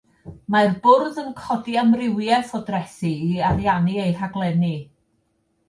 Mae'r bwrdd yn codi amrywiaeth o drethi i ariannu eu rhaglenni.